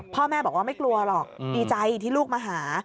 พ่อแม่บอกว่าไม่กลัวหรอกดีใจที่ลูกมาหา